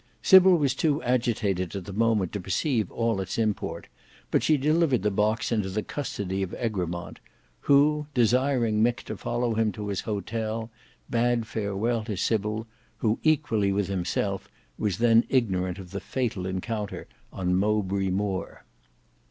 Sybil was too agitated at the moment to perceive all its import, but she delivered the box into the custody of Egremont, who desiring Mick to follow him to his hotel bade farewell to Sybil, who equally with himself, was then ignorant of the fatal encounter on Mowbray Moor.